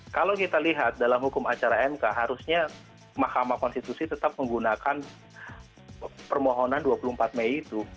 kalau kita lihat dalam hukum acara mk harusnya mahkamah konstitusi tetap menggunakan permohonan dua puluh empat mei itu